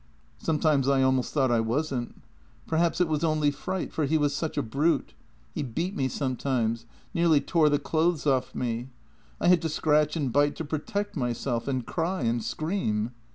Sometimes I almost thought I wasn't. Perhaps it was only fright, for he was such a brute; JENNY 53 he beat me sometimes — nearly tore the clothes off me. I had to scratch and bite to protect myself — and cry and scream."